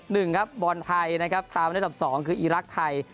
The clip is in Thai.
หนึ่งครับบอลไทยนะครับตามระดับสองคืออีรักษ์ไทย